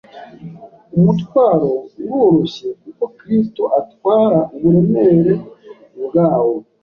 Umutwaro uroroshye, kuko Kristo atwara uburemere bwawo.